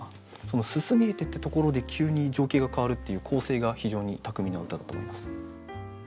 「煤見えて」っていうところで急に情景が変わるっていう構成が非常に巧みな歌だと思います。